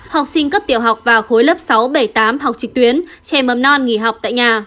học sinh cấp tiểu học và khối lớp sáu bảy tám học trực tuyến trẻ mầm non nghỉ học tại nhà